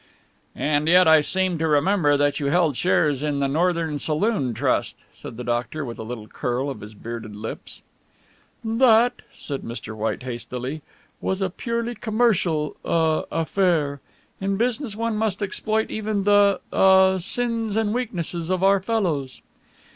"And yet I seem to remember that you held shares in the Northern Saloon Trust," said the doctor, with a little curl of his bearded lips. "That," said Mr. White hastily, "was a purely commercial ah affair. In business one must exploit even the ah sins and weaknesses of our fellows."